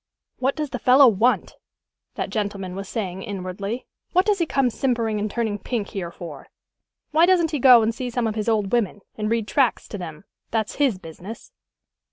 "What does the fellow want?" that gentleman was saying inwardly. "What does he come simpering and turning pink here for? Why doesn't he go and see some of his old women, and read tracts to them? That's his business."